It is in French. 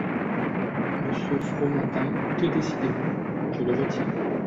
Monsieur Fromantin, que décidez-vous ? Je le retire.